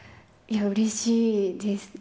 いや、うれしいです。